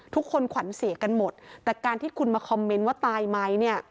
ทุกคนขวัญเสียกันหมดแต่การที่คุณมาคอมเมนต์ว่าตายไหมเนี่ย